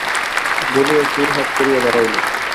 বলিয়া জোড়হাত করিয়া দাঁড়াইল।